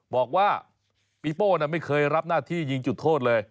บอกว่าปีโป้ไม่เคยรับหน้าที่ยิงจุดโทษเลย